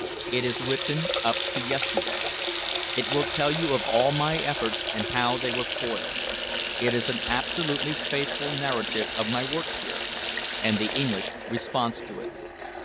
It is written up to yesterday. It will tell you of all my efforts and how they were foiled. It is an absolutely faithful narrative of my work here, and the English response to it."